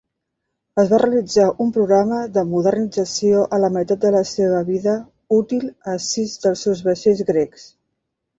Es va realitzar un programa de modernització a la meitat de la seva vida útil a sis dels deu vaixells grecs.